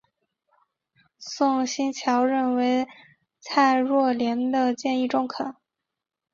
宋欣桥认为蔡若莲的建议中肯。